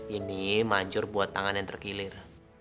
ini mancur buat tangan yang tergilir